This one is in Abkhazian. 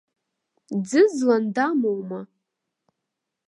Ӡызлан дамоума?